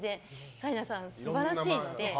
紗理奈さんは素晴らしいので。